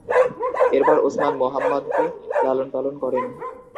এরপর উসমান মুহাম্মাদকে লালনপালন করেন।